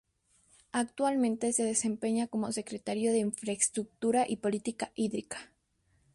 Actualmente se desempeña como secretario de Infraestructura y Política Hídrica.